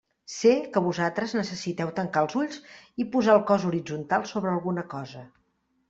Sé que vosaltres necessiteu tancar els ulls i posar el cos horitzontal sobre alguna cosa.